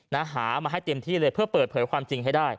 หามาให้เต็มที่เลยเพื่อเปิดเผยความจริงให้ได้